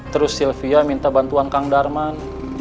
terus sylvia minta bantuan kang darman